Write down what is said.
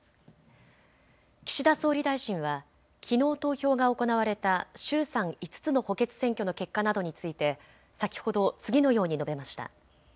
岸田総理大臣はきのう投票が行われた衆参５つの補欠選挙の結果などについて先ほど次のように述べました。